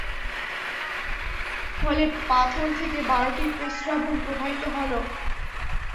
ফলে পাথর থেকে বারটি প্রস্রবণ প্রবাহিত হল।